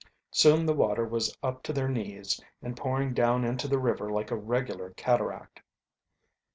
Soon the water was up to their knees and pouring down into the river like a regular cataract.